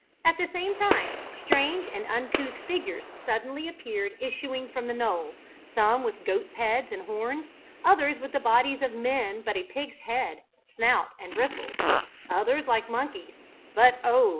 At the same time strange and uncouth figures suddenly appeared issuing from the knoll, some with goat's heads and horns, others with the bodies of men but a pig's head, snout and bristles, others like monkeys (but oh!